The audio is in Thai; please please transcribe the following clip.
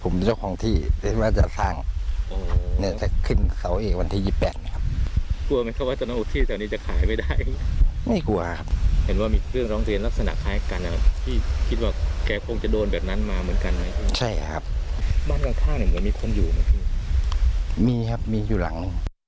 มีครับมีอยู่หลังนึง